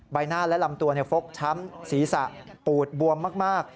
ใบหน้าและลำตัวฟกช้ำศีรษะปูดบวมมาก